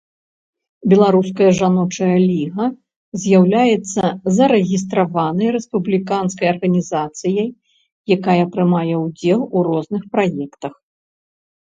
Беларуская жаночая ліга з'яўляецца зарэгістраванай рэспубліканскай арганізацыяй, якая прымае ўдзел у розных праектах.